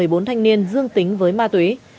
kiểm tra tất cả trường hợp dương tính với ma túy